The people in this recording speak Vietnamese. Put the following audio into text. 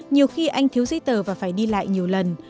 nhiều khi anh thiếu giấy tờ và phải đi lại nhiều lần